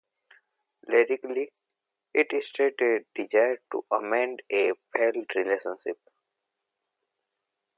Lyrically, it states a desire to amend a failed relationship.